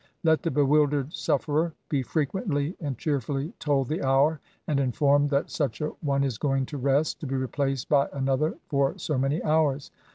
Let the bewildered sufferer be frequently and cheer fully told the hour, — and informed that such an one is going to rest, to be replaced by another for so many hours.